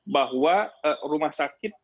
bahwa rumah sakit